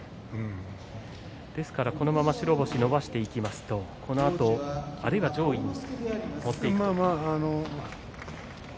ですからこのまま白星を伸ばしていきますとあるいは上位で持っていくと。